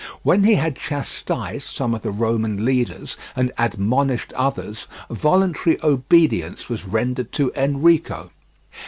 When he had chastised some of the Roman leaders, and admonished others, voluntary obedience was rendered to Enrico.